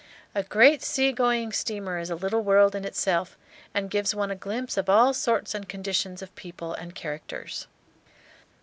A great sea going steamer is a little world in itself, and gives one a glimpse of all sorts and conditions of people and characters.